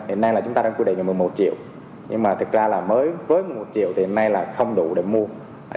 hiện nay là chúng ta đang quy định là một mươi một triệu nhưng mà thực ra là mới với một triệu thì hiện nay là không đủ để mua